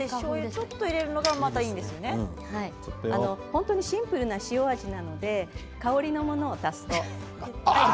本当にシンプルな塩味なので香りのものを足すと。